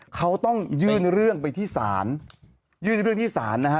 เขาต้องยื่นเรื่องไปที่ศาลยื่นเรื่องที่ศาลนะฮะ